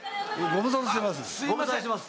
ご無沙汰してます。